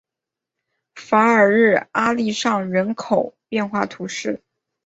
法尔日阿利尚人口变化图示